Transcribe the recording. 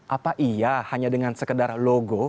apa iya hanya dengan sekedar logo